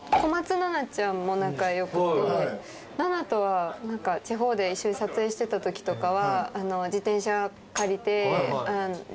仲良くて菜奈とは地方で一緒に撮影してたときとかは。